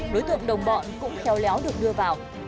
đối tượng đồng bọn cũng khéo léo được đưa vào